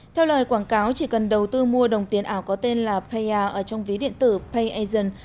theo lời quảng cáo chỉ cần đầu tư mua đồng tiền ảo có tên là paya ở trong ví điện tử payagent